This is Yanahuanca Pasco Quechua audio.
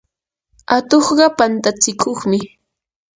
atuqqa pantatsikuqmi.